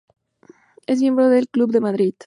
Es miembro del Club de Madrid.